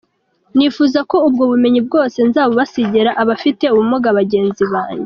Nifuza ko ubwo bumenyi bwose nazabusigira abafite ubumuga bagenzi banjye.